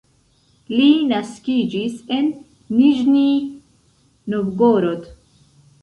Li naskiĝis en Niĵnij Novgorod.